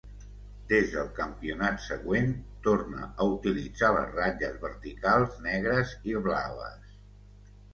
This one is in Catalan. Des del campionat següent, torna a utilitzar les ratlles verticals negres i blaves.